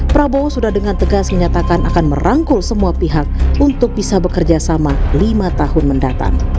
prabowo sudah dengan tegas menyatakan akan merangkul semua pihak untuk bisa bekerja sama lima tahun mendatang